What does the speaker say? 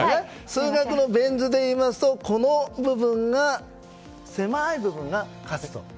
数学の円図で言いますとこの狭い部分が勝つと。